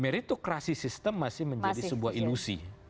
meritokrasi sistem masih menjadi sebuah ilusi